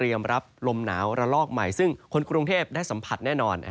รับลมหนาวระลอกใหม่ซึ่งคนกรุงเทพได้สัมผัสแน่นอน